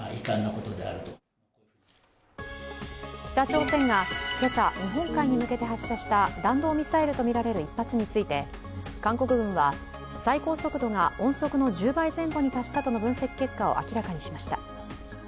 北朝鮮が今朝、日本海に向けて発射した弾道ミサイルとみられる１発について韓国軍は最高速度が音速の１０倍前後に達したとの分析結果を明らかにしました。